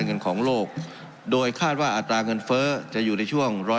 เงินของโลกโดยคาดว่าอัตราเงินเฟ้อจะอยู่ในช่วง๑๐